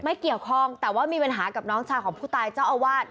ไม่เกี่ยวข้องแต่ว่ามีปัญหากับน้องชายของผู้ตายเจ้าอาวาส